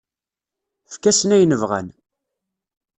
Efk-asen ayen bɣan.